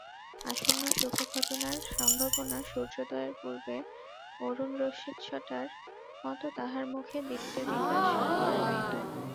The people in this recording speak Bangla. আসন্ন শুভঘটনার সম্ভাবনা সূর্যোদয়ের পূর্বে অরুণরশ্মিচ্ছটার মতো তাহার মুখে দীপ্তিবিকাশ করে নাই তো!